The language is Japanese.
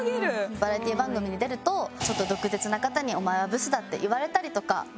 バラエティ番組に出るとちょっと毒舌な方に「お前はブスだ」って言われたりとか。